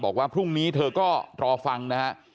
บอกว่าพรุ่งนี้เธอก็รอฟังนะฮะ